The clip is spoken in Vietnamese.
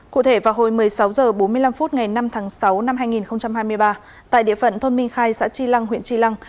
cụ thể vào hồi một mươi sáu h bốn mươi năm phút ngày năm tháng sáu năm hai nghìn hai mươi ba tại địa phận thôn minh khai xã tri lăng huyện tri lăng